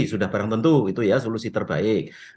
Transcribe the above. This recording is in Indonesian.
sudah barang tentu itu ya solusi terbaik